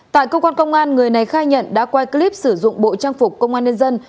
tại cơ quan công an người này khai nhận đã quay clip sử dụng bộ trang phục công an nhân dân